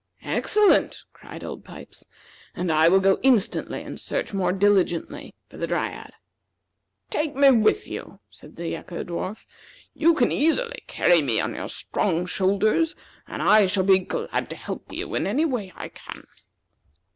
"Excellent!" cried Old Pipes; "and I will go instantly and search more diligently for the Dryad." "Take me with you," said the Echo dwarf. "You can easily carry me on your strong shoulders; and I shall be glad to help you in any way that I can."